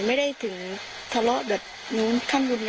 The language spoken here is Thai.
ไม่ได้ถึงทะเลาะแบบนู้นขั้นรุนแรง